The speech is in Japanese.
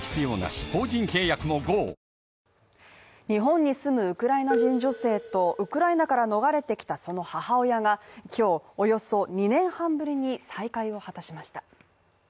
日本に住むウクライナ人女性とウクライナから逃れてきたその母親が今日、およそ２年半ぶりに再会を果たしました。